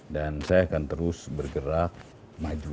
dan saya akan terus bergerak maju